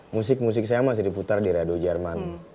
musik musik saya masih diputar di rado jerman